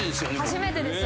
初めてです。